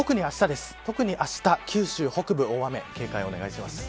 特にあした、九州北部大雨に警戒をお願いします。